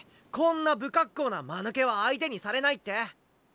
こんな不格好なまぬけは相手にされないって？